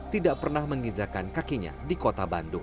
tidak pernah mengijakan kakinya di kota bandung